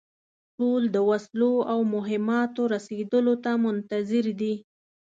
ټول د وسلو او مهماتو رسېدلو ته منتظر دي.